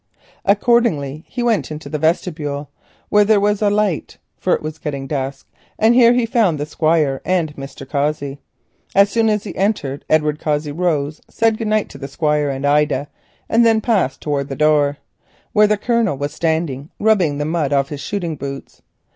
Accordingly he went into the vestibule, where there was a light, for it was getting dusk; and here he found the Squire and Mr. Cossey. As soon as he entered, Edward Cossey rose, said good night to the Squire and Ida, and then passed towards the door, where the Colonel was standing, rubbing the mud off his shooting boots.